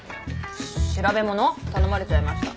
調べ物頼まれちゃいました。